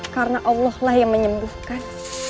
karena allah yang menyembuhkan